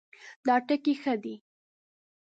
دا ټکی ښه دی